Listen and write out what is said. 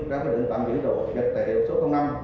ra quyết định tạm giữ tài liệu số năm